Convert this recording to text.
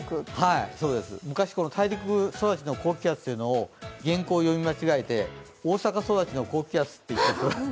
昔、大陸育ちの高気圧というのを原稿を読み間違えて「大阪育ちの高気圧」って。